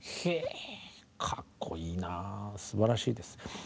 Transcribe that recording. へかっこいいなぁすばらしいです。